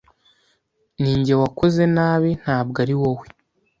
Ninjye wakoze nabi, ntabwo ari wowe.